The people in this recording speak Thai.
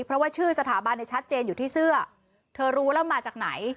เพราะว่าชื่อสถาบันเนี่ยชัดเจนอยู่ที่เสื้อเธอรู้แล้วมาจากไหน